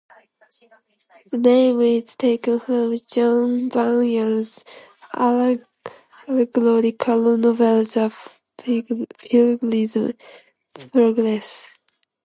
The name is taken from John Bunyan's allegorical novel "The Pilgrim's Progress".